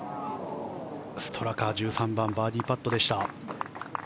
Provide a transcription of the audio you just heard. ストラカ、１３番バーディーパットでした。